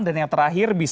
dan yang terakhir